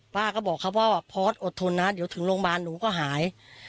ป้าก็บอกเขาพ่อว่าพอร์ตอดทนนะเดี๋ยวถึงโรงพยาบาลหนูก็หาย